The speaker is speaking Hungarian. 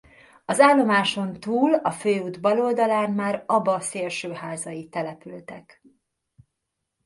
Az állomáson túl a főút bal oldalán már Aba szélső házai települtek.